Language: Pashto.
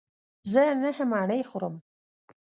زه نهه مڼې خورم.